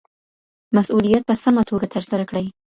مسووليت په سمه توګه ترسره کړئ